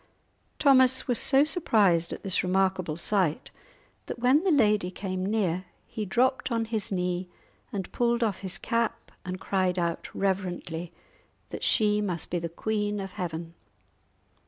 Thomas was so surprised at this remarkable sight that when the lady came near he dropped on his knee and pulled off his cap, and cried out, reverently, that she must be the Queen of Heaven.